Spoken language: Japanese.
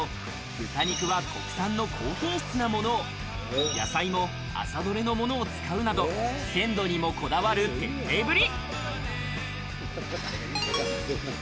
豚肉は国産の高品質なものを野菜も朝どれのものを使うなど、鮮度にもこだわる徹底ぶり。